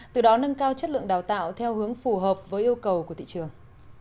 từ đó nâng cao chất lượng đào tạo theo hướng phù hợp với yêu cầu của thị trường